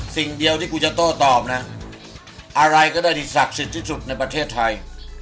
สิ่งเดียวที่กูจะโต้ตอบนะอะไรก็ได้ที่ศักดิ์สิทธิ์ที่สุดในประเทศไทย